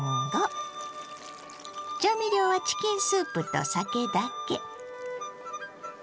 調味料はチキンスープと酒だけ。